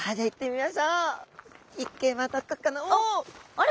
あれ？